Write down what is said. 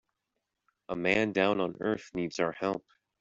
A man down on earth needs our help.